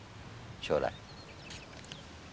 将来。